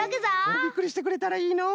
びっくりしてくれたらいいのう。